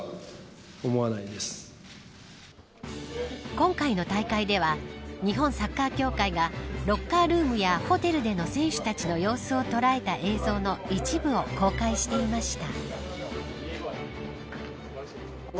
今回の大会では日本サッカー協会がロッカールームやホテルでの選手たちの様子を捉えた映像の一部を公開していました。